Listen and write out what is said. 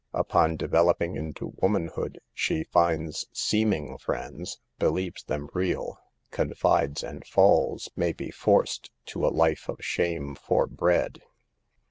"Upon developing into womanhood, she finds seeming friends, believes them real, con fides and falls, may be forced to a life of shame for bread.